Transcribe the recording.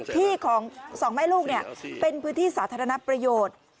ที่ของสองแม่ลูกเป็นพื้นที่สาธารณประโยชน์